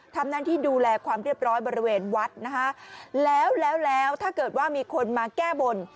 ทำหน้าที่ดูแลความเรียบร้อยบริเวณวัดนะคะแล้วแล้วถ้าเกิดว่ามีคนมาแก้บน